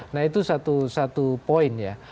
nah itu satu poin ya